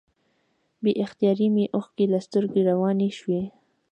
بې اختیاره مې اوښکې له سترګو روانې شوې.